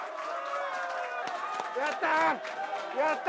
やった！